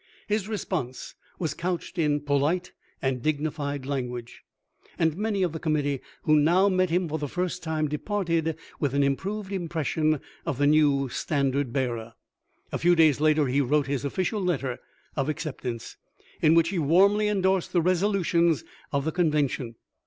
His response was couched in polite and dignified language, and many of the committee, who now met him for the first time, departed with an im proved impression of the new standard bearer. A few days later he wrote his official letter of accept ance, in which he warmly endorsed the resolutions of the convention.